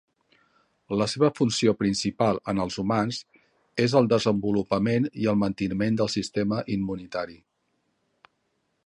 La seva funció principal en els humans és el desenvolupament i el manteniment del sistema immunitari.